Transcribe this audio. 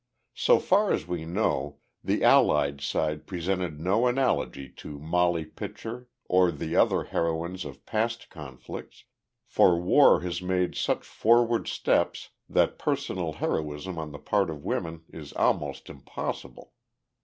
"So far as we know, the Allied side presented no analogy to Mollie Pitcher or the other heroines of past conflicts, for war has made such forward steps that personal heroism on the part of women is almost impossible.